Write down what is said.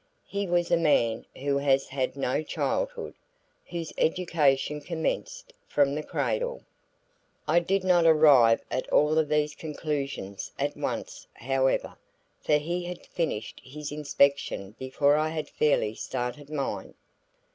He was a man who has had no childhood, whose education commenced from the cradle. I did not arrive at all of these conclusions at once, however, for he had finished his inspection before I had fairly started mine.